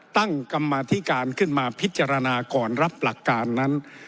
ตั้งกรรมธิการขึ้นมาพิจารณาก่อนรับหลักการนั้น